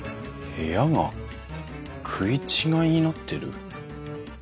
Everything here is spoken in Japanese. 部屋が食い違いになってる。